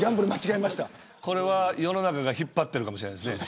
これは世の中が引っ張っているかもしれないですね